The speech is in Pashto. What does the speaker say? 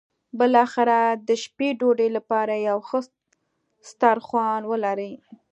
بالاخره د شپې ډوډۍ لپاره یو ښه سترخوان ولري.